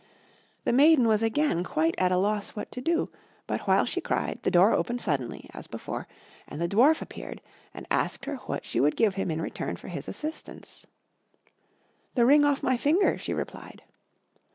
The maiden was again quite at a loss what to do; but while she cried the door opened suddenly, as before, and the Dwarf appeared and asked her what she would give him in return for his assistance. "The ring off my finger," she replied.